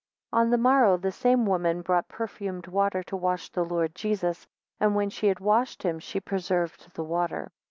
16 On the morrow, the same woman brought perfumed water to wash the Lord Jesus; and when she had washed him, she preserved the water.